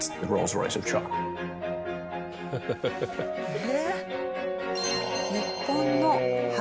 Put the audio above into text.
え？